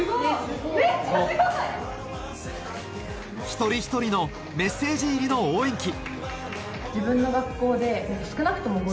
一人一人のメッセージ入りの応援旗